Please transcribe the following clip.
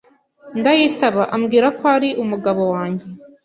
ndayitaba ambwira ko ari umugabo wange